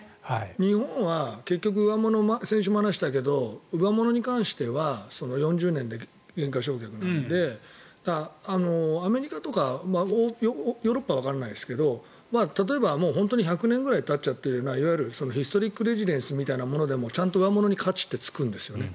日本は結局先週も話したけど上物に関しては４０年で減価償却なのでアメリカとかヨーロッパはわからないですけど例えば、本当に１００年ぐらいたってるようないわゆるヒストリックレジデンスみたいなのはちゃんと上物に価値ってつくんですよね。